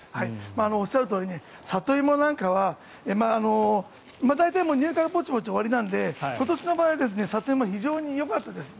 おっしゃるとおりサトイモなんかは大体入荷がぼちぼち終わりなので今年の場合はサトイモ、非常によかったです。